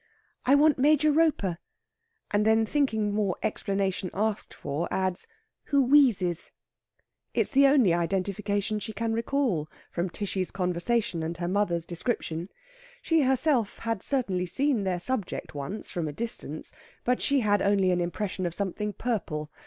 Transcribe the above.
"I want Major Roper" and then, thinking more explanation asked for, adds "who wheezes." It is the only identification she can recall from Tishy's conversation and her mother's description. She herself had certainly seen their subject once from a distance, but she had only an impression of something purple.